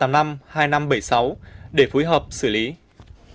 hãy đăng ký kênh để ủng hộ kênh của mình nhé